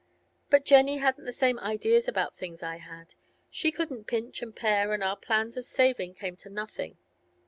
But Jenny hadn't the same ideas about things as I had. She couldn't pinch and pare, and our plans of saving came to nothing.